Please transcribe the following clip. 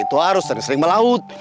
itu harus sering sering melaut